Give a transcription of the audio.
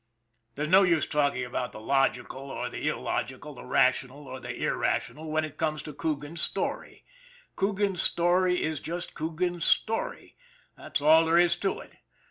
There's no use talking about the logical or the illogi cal, the rational or the irrational, when it comes to Coo gan's story. Coogan's story is just Coogan's story, that's all there is to it.